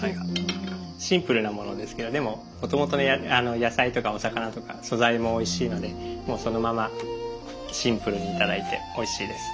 シンプルなものですけどでももともとの野菜とかお魚とか素材もおいしいのでもうそのままシンプルにいただいておいしいです。